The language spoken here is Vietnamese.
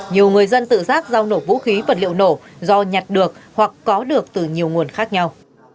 nhiều người dân tự giác giao nổ vũ khí vật liệu nổ do nhặt được hoặc có được từ nhiều nguồn khác nhau